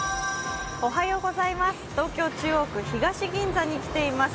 東京・中央区東銀座に来ています。